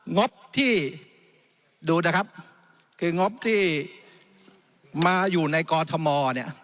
งบที่ดูนะครับคืองบที่มาอยู่ในกอทมเนี่ย